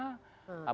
apa problemnya di